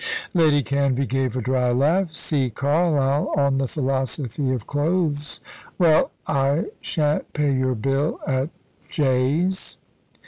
Lady Canvey gave a dry laugh. "See Carlyle on the 'Philosophy of Clothes.' Well, I shan't pay your bill at Jay's."